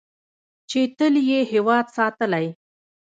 چې تل یې هیواد ساتلی.